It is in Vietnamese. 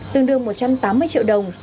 tương đương một trăm tám mươi triệu đồng